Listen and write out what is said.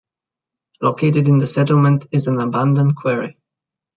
Located in the settlement is an abandoned quarry.